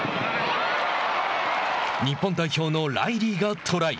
日本代表のライリーがトライ。